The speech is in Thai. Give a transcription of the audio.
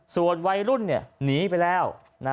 ส่วนวัยรุ่นหนีไปแล้ว